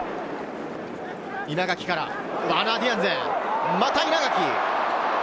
稲垣からワーナー・ディアンズ、また稲垣。